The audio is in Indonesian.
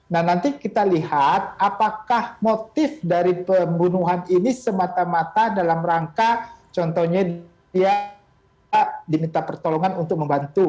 nah nanti kita lihat apakah motif dari pembunuhan ini semata mata dalam rangka contohnya dia diminta pertolongan untuk membantu